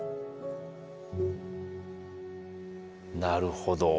なるほど。